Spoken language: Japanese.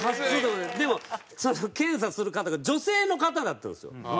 でまあその検査する方が女性の方だったんですよ。